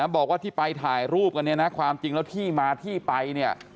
บอกว่าที่ไปถ่ายรูปกันเนี่ยนะความจริงแล้วที่มาที่ไปเนี่ย